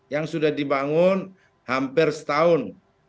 yang sudah dibangun hampir setahun